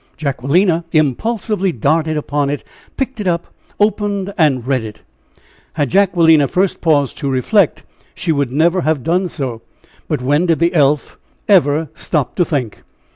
Jacquelina impulsively darted upon it, picked it up, opened, and read it. Had Jacquelina first paused to reflect, she would never have done so. But when did the elf ever stop to think?